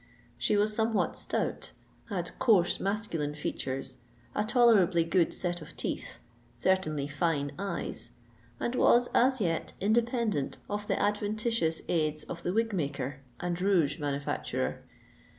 She was somewhat stout, had coarse masculine features, a tolerably good set of teeth, certainly fine eyes, and was as yet independent of the adventitious aids of the wig maker and rouge manufacturer.